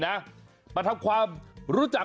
มาทำความรู้จัก